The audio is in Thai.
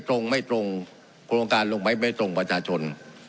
ตรงไม่ตรงโครงการลงไปไม่ตรงประชาชน